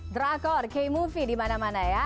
drakor k movie di mana mana ya